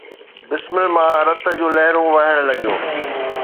بسمل مان رت جون لهرون وهڻ لڳيون